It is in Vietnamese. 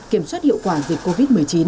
kiểm soát hiệu quả dịch covid một mươi chín